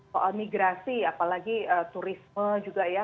soal migrasi apalagi turisme juga ya